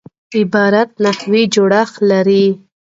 عبارت نحوي جوړښت لري.